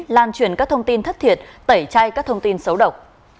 lan truyền các thông tin thất thiệt tẩy chay các thông tin xấu độc